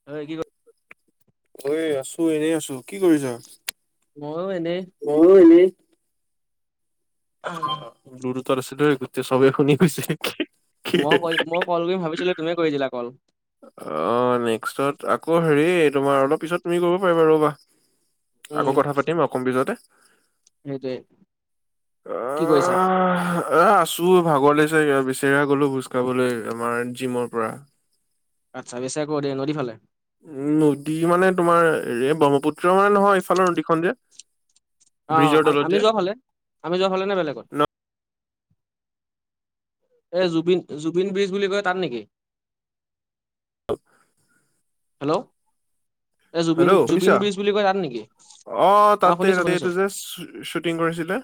[unintelligible] ঐ আছোঁ, এনেই আছোঁ। কি কৰিছ? মইয়ো এনেই। মইয়ো এনেই। [unintelligible] [unintelligible] চবে শুনি গৈছে, মই ক মই [unintelligible] কল কৰিম ভাবিছিলো তুমিয়ে কৰি দিলা কল অ'! নেক্সটত, আকৌ সেৰি, তোমাৰ অলপ পিছত, তুমি কৰিব পাৰিবা, ৰ'বা। আকৌ, উম কথা পাতিম [unintelligible] সেইটোৱে, কি কৰিছা? এ, আছোঁ, ভাগৰ লাগিছে! বিচেৰা গলোঁ ভোজ খাবলে, আমাৰ জিমৰ পৰা। আচ্ছা! [unintelligible] নদী ফালে? উম, নদী মানে তোমাৰ, ৰে ব্ৰহ্মপুত্ৰ মানে নহয়, এইফালৰ নদীখন যে। অ'! ব্ৰিজৰ তলত আমি যে। যোৱা ফালে, আমি যোৱা ফালেনে বেলেগত? এই, জুবিন-জুবিন ব্ৰিজ বুলি কয়, তাত নেকি? [unintelligible] হেল্ল'? এই জুবিন হেল্ল'! জুবিন শুনিছা? ব্ৰিজ বুলি কয় তাত নেকি অ'! শুনিছো তাতে-তাতে শুনিছো এইটো যে, শ্বুটিং কৰিছিলে,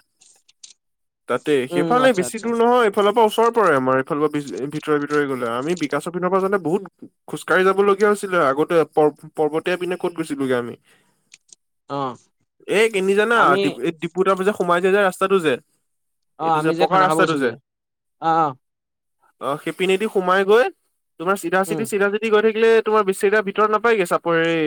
তাতে। উম সেইফালে আচ্ছা বেছি আচ্ছা দূৰ নহয়। ইফালৰ পৰা ওচৰ পৰে। আমাৰফালৰ পৰা বি ভিতৰে-ভিতৰি গ'লে। আমি বিকাশ পিনৰ পৰা যেনে বহুত খোজকাঢ়ি যাবলগীয়া হৈছিলে, আগতে পৰ পৰ্বত। [unintelligible] পিনে ক'ত গৈছিলোগে আমি। অ এই কেনি জানা! আমি [unintelligible] সোমাই যায় যে, ৰাস্তাটো যে, অ এইটো যে, আমি পকা খানা খাব ৰাস্তাটো গৈছিলো যে। অ অ অ'! সিপিনি দি সোমাই গৈ, তোমাৰ উম চিধা-চিধি, চিধা-চিধি গৈ থাকিলে, তোমাৰ, বেছিৰা ভিতৰত নাপায়গে, চাপৰি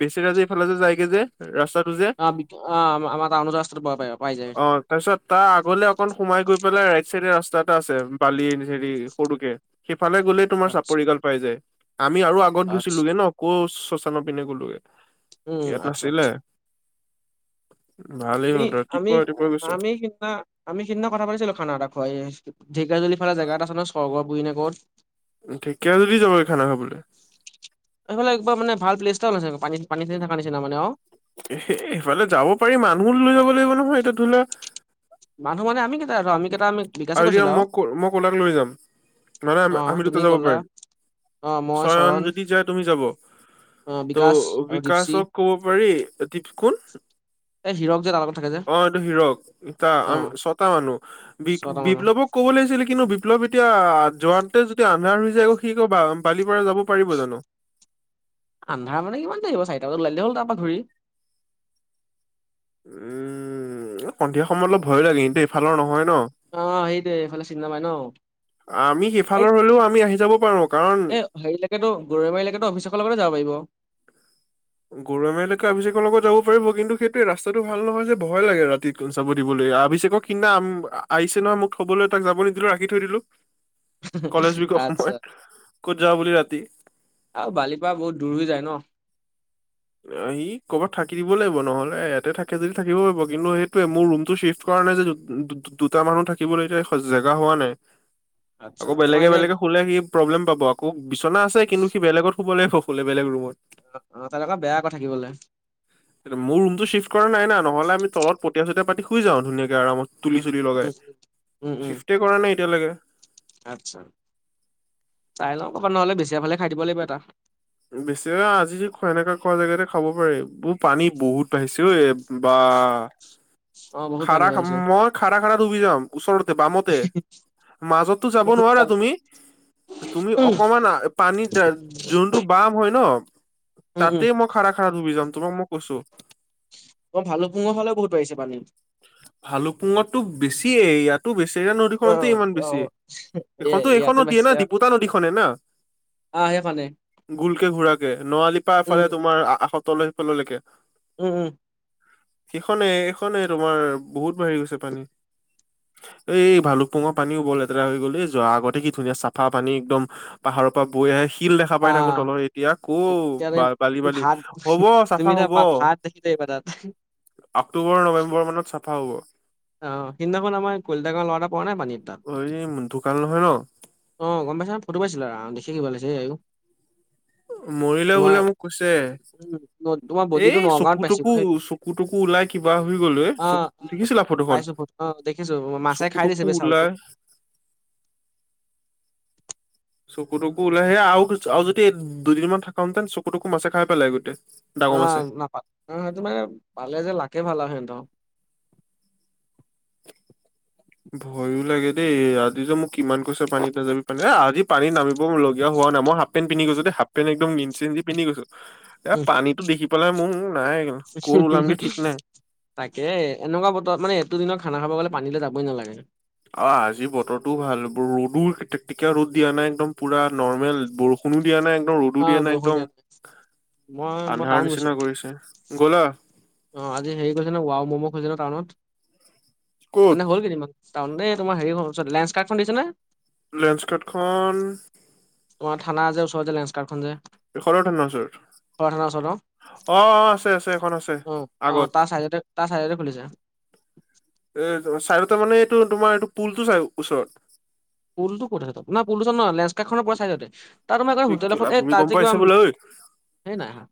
বেছিৰা যে এইফালে যে, যায়গে যে, ৰাস্তাটো যে। অ' অ'! আমাৰ টাউনৰ ৰাস্তা পাই, পাই যায়। অ'! তাৰপিছত, তাৰ আগলে অকন সোমাই গৈ, পেলাই ৰাইট চাইডে, ৰাস্তা এটা আছে, বালি সেৰি সৰুকে। সিফালে গ'লে, তোমাৰ আচ্ছা চাপৰিখন পাই যায়। আমি আৰু আগত আচ্ছা গৈছিললোগে ন' আকৌ, শ্মশানৰ পিনে গ'লোগে। উম, ইয়াত আচ্ছা, নাছিলে আচ্ছা! [unintelligible] আমি, আমি, ৰাতিপুৱা ৰাতিপুৱা গৈছো আমি সিদিনা আমি সেইদিনা কথা পাতিছিলোঁ খানা এটা খোৱা ধেকীয়াজুলী ফালে জেগা এটা আছে নয় স্বৰ্গ পুৰি নে ক'ত। ধেকীয়াজুলী যাবি খানা খাবলৈ। এইফালে একবাৰ মানে ভাল প্লেছটাওলে পানী চানী থকা নিচিনা মানে অ'। এ সফালে যাব পাৰি মানুহো লৈ যাব লাগিব নহয় এতিয়া ধৰি লোৱা। মানুহ মান আমি কেইটা আমি কেইটা আমি বিকাশে আৰু এতিয়া কৈছিলো মই ক মই ক'লাক লৈ যাম। নহ অ নহয় আমিতো তুমি দুটা যাব ক'লা পাৰিম অ মই চয়ন যদি যায় তুমি যাব। অ ত' বিকাশ আৰু দীপশি বিকাশক ক'ব পাৰি টিপ কোন। এই হিৰক যে তাৰ লগত থাকে যে অ', হিৰক ইতা অ আ ছটা মানুহ বি ছটা মানৰ বিপ্লৱক ক'ব লাগিছিলে কিন্তু বিপ্লৱ এতিয়া যোৱাতে যদি আন্ধাৰ হৈ যায় আকৌ সি আ বালি পাৰা যাব পাৰিব জানোঁ। আন্ধাৰ মানে কিমান দেৰি হ'ব চাৰিটা বজাত ওলালে হ'ল তাৰ পৰা ঘূৰি। উম সন্ধিয়া সময়ত অলপ ভয় লাগে কিন্তু ইফালৰ নহয় ন। অ সেইটোৱে এইফালে চিনি নাপাই ন আমি এই সিফালৰ হ'লেও আমি আহি যাব পাৰো কাৰণ। এ হেৰিলৈকেতো গৌৰীমাৰীলৈকেতো অফিচৰ লগতে যাব পাৰিব। গৰমেকে [unintelligible] অভিষেকৰ লগত যাব পাৰিব কিন্তু সেইটোৱে ৰাস্তাটো ভাল নহয় যে ভয় লাগে ৰাতি চাব দিবলৈ অভিষেক সিনাম আহিছে নহয় মোক থ'বলৈ তাক যাব নিদিলো ৰাখি থৈ দিলো। কলেজ উক সময় আচ্ছা ক'ত যা বুলি ৰাতি। আৰু বালিৰপা বহুত দূৰ হৈ যায় ন। আহি কৰ'ৰবাত থাকি দিব লাগিব নহ'লে ইয়াতে থাকে যদি থাকিব পাৰিব কিন্তু সেইটোয়ে মোৰ ৰুমটো চিফ কাৰণে যে দুটা মানুহ থাকিবলৈ এতিয়া জেগা হোৱা নাই। আচ্ছা আকৌ তোমাৰ বেলেগে এনে বেলেগে শুলে সি প্ৰব্লেম পাব আকৌ বিচনা আছে কিন্তু সি বেলেগত শুব লাগিব শুলে বেলেগ ৰুমত অ', তেনেকুৱা বেয়া কৈ থাকিবলৈ। মোৰ ৰুমটো চিফট কৰা নাই নহলে আমি তলত পঠীয়া চটীয়া পাতি শুই যাও ধুনীয়াকে আৰামত। তুলি উম, চুলি উম, লগাই উম, উম, উম, চিফ্টটে কৰা নাই এতিয়ালৈকে। আচ্ছা চাই লও ক'ৰবাত নহ'লে বিছৰাই ফালে খাব লাগিব এটা। বেছিৰা আজি সনেককা খোৱা জেগাতে খাব পাৰি বোৰ পানী বহুত বাঢ়িছে ঐ বা। অ', বহুত পানী খাৰা খা বাঢ়িছে। মই খাৰা খাৰা ডুবি যাম ওচৰতে বামতে। মাজতো যাব বহুত নোৱাৰা পানী তুমি তুমি উম, অকমান পানী যোনটো বাম হয় ন উম, উম। তাতেই মই খাৰা খাৰা ডুবি যাম তোমাক মই কৈছোঁ। অ', ভালু পুঙৰ হলে বহুত বাৰিছে পানী। ভালুপুঙতো বেছিয়ে ইয়াতো বেছিৰা অ', নদীখনত ইমান অ', বেছি। অ', এ এইখনতো এইখন ইয়াতে নদীয়ে ন বাঢ়িছে দপুতা নদীখনে না। আহ সেইখনে গোলকে ঘোৰাকে নোৱাৰালি পৰা উম, এফালে তোমাৰ আশতল সিফাললৈকে। উম, উম। সেইখনে এইখনে তোমাৰ বহুত বাঢ়ি গৈছে পানী। এই ভালুকপুঙৰ পানী ও বৰ লেতেৰা হৈ গ'ল যোৱা আগতে কি ধুনীয়া চাফা পানী একদম পাহাৰৰ পৰা বৈ আহে শিল দেখা পাই থাকোঁ আহ তলত এতিয়া ক এতিয়া আমি বালি, বালি ভাত হ'ব চাফা তুমি ত হ'ব ভাত দেখিল পতা [unintelligible] অক্টোবৰ নৱেম্বৰ মানত চাফা হ'ব। অ', সিদিনাখন আমাৰ কলিতা গাও ল'ৰাটা পৰা নাই পানীৰ তাত। অ এই ঢুকাল নহয় ন অ', গ'ম পাইছা ফটো পাইছিল আৰু দেখি কিবা লাগিছে এই আৰু। মৰিলেও বোলে মোক কৈছে। [unintelligible] তোমাক এই চকু টকু চকু টকু ওলাই কিবা হৈ গলো এ অ', চকু অ', দেখিছিলা? ফটোখন পাইছো ফটো অ', দেখিছো মাছে চকু খাই দিছে টকু বে চাউলটো ওলাই চকু টকু ওলাই আহে আৰু আৰু যদি দুদিনমান থাকা হেঁতেন চকু টকু মাছে খাই পেলাই গোটেই। ডাঙৰ মাছে অ' নাপাল অ' সেইটো মানে পালে যে লাকে ভাল আও সিহঁতৰ। ভয়ো লাগে দেই আজি যে মোক কিমান কৈছে পানীত নাযাবি পানে এ আজি পানী নামিব লগীয়া হোৱা নাই মই সাপ হফ পেন পিন্ধি গৈছো দে হাফ পেণ্ট একদম নিনচি দি পিন্ধি গৈছো এ উম, পানীতো দেখি পেলাই ম নাই ক'ল ওলামগে ঠিক নাই। তাকে এনেকুৱা বতৰত মানে এইটো দিনত খানা খাব গ'লে পানীলে যাবই নালাগে। অ আজি বতৰটোও ভাল ৰ'দো [unintelligible] ৰ'দ দিয়া নাই একদম পুৰা নৰ্মেল বৰষু বৰষুনো দিয়া নাই একদম ৰ'দো দিয়া নাই একদম। মই মই আন্ধাৰ টাউন নিচিনা গৈছিলো কৰিছে, গ'লা? অ' আজি হেৰি কৰিছে ন ৱাও ম'ম খছে ন টাউনত ক'ত মানে হ'ল কেইদিনমান। তাৰমানে তোমাৰ হৰিহল লেঞ্চকৰ্ডখন দেখিছ নে? লেঞ্চকাৰ্ডখন তোমাৰ থানা যে ওচৰত যে লেঞ্চকাৰ্ড খন যে। খদৰ ঠানাৰ ওচৰত? খ থানাৰ ওচৰৰ অ অ আছে আছে এখন আছে অ' অ' আগত তাৰ চাইতে তাৰ চাইডতে খুলিছে। এ চাইডতে মানে এইটো তোমাৰ এইটো পুলতটো চাই ওচৰত? পুলটো কত আছে এইটো? না পুলটো ওচৰত নহয় লেঞ্চকাৰ্ড খনৰ পোৰা চাইডতে। তাৰ তোমাৰ গৈ হোটেল কেলা এখন এই তাত ভূমিকম্প যে কিবা, আহিছে বোলে ঐ সেই নাই অহা।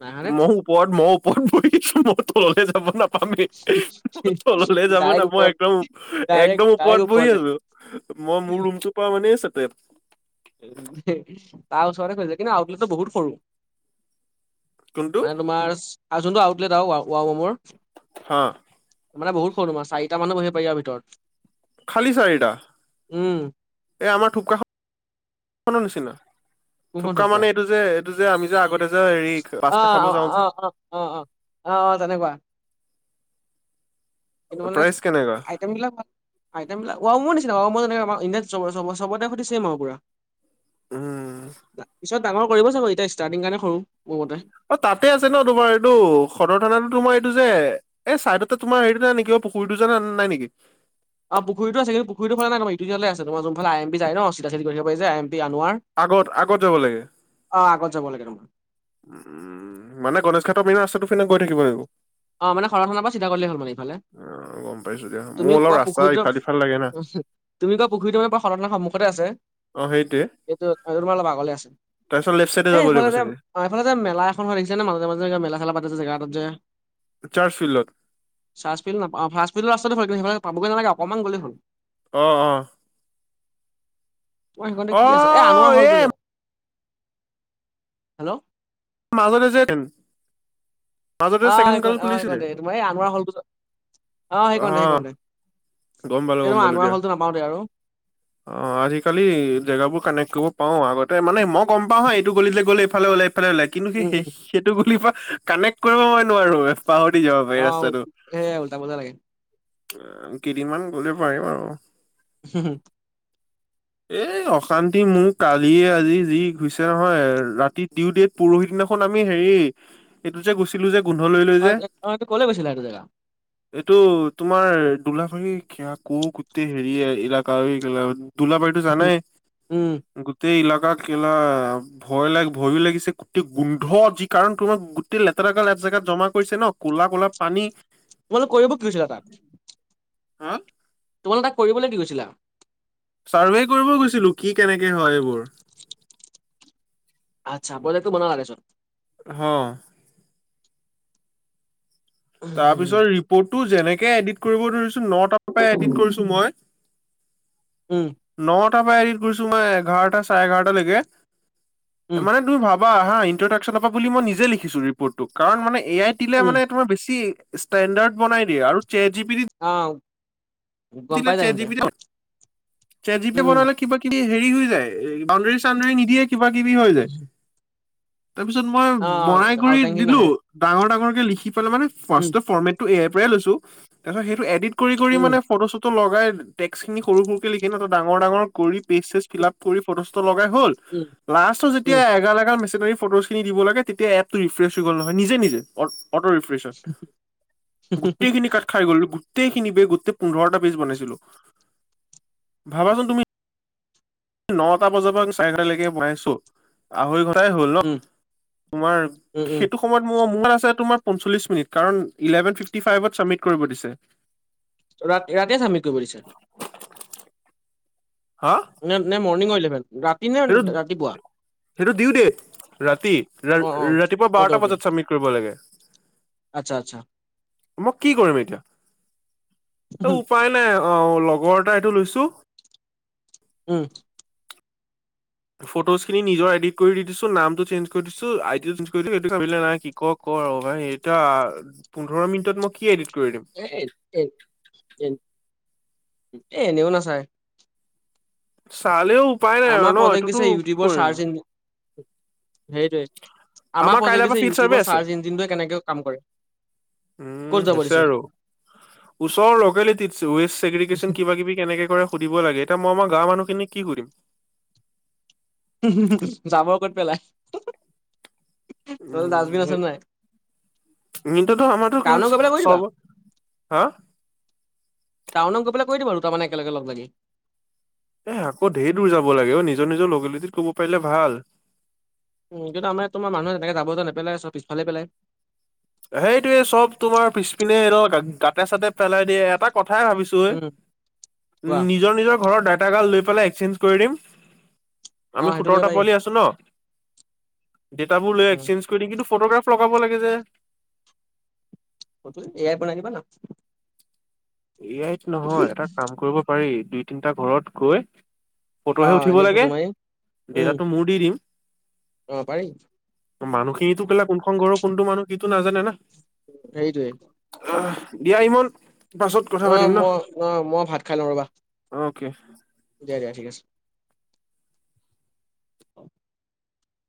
নাই অহা নে মই ওপৰত মই ওপৰত বহিছো মই তললে যাব নাপ। নাপামেই, মই তললে যাব ডাইৰেক্ট নাপাওঁ ওপৰত একদম ডাইৰেক্ট একদম ওপৰত ডাইৰেক্ট বহি ওপৰলে আছো। মই মোৰ ৰুমতোপা মানে চাতেপ। উ তাৰ ওচৰতে কৈছিলোঁ, কিন্তু আটলেতো বহুত সৰু। কোনটো মানে তোমাৰ আ যোনটো আউটলেট আৰু ৱাও ম'মৰ। হা। মানে বহু সৰু চাৰিটা মানুহ বহিব পাৰি আও ভিতৰত। খালী চাৰিটা? উম এই আমাৰ থুপকা নিচিনা কোনখন থুপকা থোপকা মানে এইটো যে এইটো যে আমি যে আগতে যে হেৰি অ পাস্তা খাব অ যাও যে। অ অ অ' অ' অ' অ' তেনেকুৱা। কিন্তু মানে আই প্ৰাইচ কেনেকুৱা আইটেম বিলাক আইটেম বিলাক ৱাও মম নিচিনা, ৱাও মম যেনেকে আমাৰ ইণ্ডিয়াত চবৰ চব চবতে সেইটো ছেম আও পোৰা। উম পিছত ডাঙৰ কৰিব চাগৈ এতিয়া ষ্টাৰ্টিং কাৰণে সৰু মোৰ মতে। অ' তাতে আছে ন তোমাৰ এইটো সদৰ থানাতো তোমাৰ এইটো যে। এই চাইডতে তোমাৰ সেইটোতে নেকি অ পুখুৰীটো যযে তাতে নাই নেকি? অ' পুখুৰটো আছে কিন্তু পুখুৰীটোৰ ফালে নাই তোমাৰ ইটোযিঅলে আছে তোমাৰ যোনফালে আই এম পি যায় ন চিধা চিধি গৈ থাকিব পাৰি যে আই এম পি আনোৱাৰ। আগত আগত যাব লাগে? অ' আগত যাব লাগে। উম মানে গণেশ ঘাটৰ পিনে ৰাস্তাটো ফিনে গৈ থাকিব লাগিব? অ' মানে সদৰ থানাৰ পৰা চিধা গলেই হ'ল মানে ইফালে, অ গম পাইছো দিয়া মোৰ তুমি অলপ কোৱা ৰাস্তা পুখুৰীটো ইফাল সিফাল লাগে না তুমি কোৱা পুখুৰীটো মানে পোৰা সদৰ থানাৰ সন্মুতে আছে। অ সেইটোৱে এইটো সেইটো তোমাৰ অলপ আগলে আছে, তাৰপিছত লেফ্ট চাইডে সেই যাব লাগিব এফালে যে চাগে অ' এইফালে যে মেলা এখন হয় দেখিছানে? মাজে মাজে মেলা ছেলা পাতে জেগা এটাত যে। চাৰ্জফিল্ডত? [unintelligible] সেইফালে পাবগৈ নালাগে অকমান গ'লেই হ'ল। অ' অ'। তোমাৰ সেই কানতে অ কি আছে এ আনোৱাৰ এ হলটো যে হেল্ল' মাজতে যে মাজতে অ ছেকেণ্ড কল সেইকন অ খুলিছিলে সেইকনতে এ তোমাৰ এই আনোৰা হ'লটো ওচৰত অ সেইকনটে সেইকনটে গম পালোঁ, এ গম তোমাৰ মই পালোঁ আনোৱাৰ দিয়া। হ'লটো নাপাওঁ তে আৰু অ আজি-কালি জেগাবোৰ কানেক্ট কৰিব পাৰো আগতে মানে মই গম পাওঁ হয় এইটো গলিলে গ'লে এইফালে ওলাই এইফাল ওলাই কিন্তু সেই উম উম সেইখ- সেইটো গলিৰ পৰা কানেক্ট কৰিবই নোৱাৰো। পাহৰি যাওঁ। অ সে উলটা পুলটা লাগে কেইদিনমান গ'লে পাৰিম আৰু। হু হু এ অশান্তি মো কালিয়ে আজি যি ঘুইছে নহয় ৰাতি তিও দে পৰহি দিনাখন আমি হেৰি এইটো যে গৈচিলো যে গোন্ধ লৈ লৈ অ যে অ এইটো কলৈ গৈছিলা এইটো জেগা এইটো তোমাৰ [unintelligible] হেৰি [unintelligible] তোলা বাইতো জানাই উম গোটেই এলেকা কেলাম ভয় লাগ ভইয়ো লাগিছে গোটেই গোন্ধ যি কাৰণ তোমাৰ গোটেই লেতেৰা গাল এক জেগাত জমা কৰিছে ন ক'লা ক'লা পানী তোমালোক কৰিব কি আছিলে তাত হা তোমালোক তাক কৰিবলে দি গৈছিলা চাৰ্ভে কৰিব গৈছিলো কি কেনেকে হয় এইবোৰ আচ্ছা বইলাতো মনা লাগে চোন হ তাৰপিছত উম ৰিপৰ্টটো যেনেকে এডিট কৰিব ধৰিছো নটাৰ পৰা এডিট কৰিছো মই উম নটাৰ পৰা এডিট কৰিছো মই এঘাৰটা চাৰে এঘাৰটা লৈকে উম মানে তুমি ভাবি- বা হা ইণ্টৰডাক্সন পা বুলি মই নিজে লিখিছো ৰিপৰ্টটো কাৰণ মানে এ আইত দিলে উম মানে তোমাৰ বেছি টি ষ্টেণ্ডাৰ্ড বনাই দিয়ে আৰু চেট জি পি টিত আ ও দিলে চেট জি পি টি ন চে জি পি টি উম উম, বনালে কিবা কিবি হেৰি হৈ যায় বাউণ্ডৰী চাউণ্ডৰী নিদিয়ে কিবা কিবি হৈ যায় তাৰপিছত মই আহ বনাই কৰি আউটলাইন খিনি দিলো নাহে ডাঙৰ ডাঙৰকে লিখি পেলাই মানে ফাৰ্ষ্ট উম টে ফৰ্মেটটো এ আই পৰাই লৈছো তাৰপিছ সেইটো এডিট কৰি কৰি উম মানে ফটো চটো লগাই টেক্স খিনি সৰু সৰুকে লিখি ন ডাঙৰ ডাঙৰ কৰি পেজ চেজ ফিলাপ কৰি ফটো চটো লগাই হ'ল উম লাষ্টত উম যেতিয়া এগাল এগাল মেচিনাৰী ফটো খিনি দিব লাগে তেতিয়া এপটো ৰিফ্ৰেচ হৈ গ'ল নহয় নিজে নিজে অট অট ৰি- ফ্ৰচত গোটেইখিনি কাত খাই গ'ল গোটেই খিনিবে গোটেই পোন্ধৰটা পেইজ বনাইছিলোঁ ভাবাচোন তুমি নটা বজাৰ পৰা চাৰে এঘাৰটালৈকে বনাইছো আঢ়ৈ ঘন্টাই হ'ল ন উম তোমাৰ উম উম সেইটো সময়ত মো মোৰ আছে তোমাৰ পঞ্চল্লিছ মিনিট কাৰণ ইলেভেন ফিফটি ফাইভত চাবমিট কৰিব দিছে। ইয়াতে চাবমিট কৰিব দিছে। হা? [unintelligible] সেইটোত ৰাতিপুৱা সেইটো দিও দেই ৰাতি ৰা অ অ ৰাতিপুৱা অকে বাৰটা অকে বজাত চাবমিট কৰিব লাগে। আচ্ছা, আচ্ছা মই কি কৰিম এতিয়া? উম সেই উপায় নাই, অ' লগৰ এটা এইটো লৈছো। উম'। ফটজ খিনি নিজৰ এডিট কৰি দি দিছো, নামটো চেঞ্জ কৰি দিছো, আইডি চেঞ্জ কৰি দিছো, [unintelligible] কৰ আৰু ভাই, এতিয়া পোন্ধৰ মিনিটত মই কি এডিট কৰি দিম [unintelligible] এনেও নাচায়। চালেও উপায় নাই আৰু ন', এইটোতো কি কৰিম? সেইটোৱেই, আমাৰ কাইলৈৰ প্ৰজেক্ট পৰা দিছে ফিল্ড চাৰ্ভে ইউটিউবৰ আছে। চাৰ্চ ইঞ্জিনটোৱে কেনেকে কাম কৰে? ক'ত উম, যাব হৈছে দিছে আৰু। ওচৰ ল'কেলিটিত, ৱেষ্ট চেগ্ৰিগেচন কিবা-কিবি কেনেকে কৰে সুধিব লাগে, এতিয়া মই মই গাঁৱ মানুহখিনিক কি সুধিম? জাৱৰ ক'ত পেলাই তহঁতৰ ডাষ্টবিন আছে নাই? মিণ্টুটো আমাৰতো টাউনত গৈ পেলাই কৰি দিবা চবৰ হা? টাউনত গৈ পেলাই কৰি দিব দুটামানে একেলগে লগ-লাগি। এ, আকৌ ধেৰ দূৰ যাব লাগে অ', নিজৰ নিজৰ লকেলিটিত কৰিব পাৰিলে ভাল। উ, এতিয়াটো আমাৰ ইয়াতটো মানুহে তেনেকে জাৱৰ যে নেপেলাই চব পিছফালে পেলাই। সেইটোৱে চব তোমাৰ পিছপিনে এই ধৰ গাতে-চাতে পেলাই দিয়ে, এটা কথাই ভাবিছো গৈ উম কোৱা নিজৰ নিজৰ ঘৰৰ ডাটাগাল লৈ পেলাই এক্সচেঞ্জ কৰি দিম। অ আমি সেইটো কৰিব সোতৰটা পাৰি পোৱালি আছো ন'? ডেটাবোৰ লৈ উম এক্সচেঞ্জ কৰি দিম, কিন্তু ফট'গ্ৰাফ লগাব লাগে যে। এ আইত বনাই দিবা না। এ আইত নহয়, এটা কাম কৰিব পাৰি দুই-তিনটা ঘৰত গৈ অ ফটোহে উঠিব এনে ফটো লাগে, মাৰি উম দেটাটো মোৰ দি দিম। অ', পাৰিম। মানুহখিনিটো পেলাই কোনখন ঘৰৰ কোনটো মানুহ, সিটো নাজানে না? সেইটোৱে। অ' দিয়া ইমন পাছত কথা পাতিম অ', মই ন অ' মই ভাত খাই লওঁ ৰবা। অ'কে। দিয়া দিয়া, ঠিক আছে।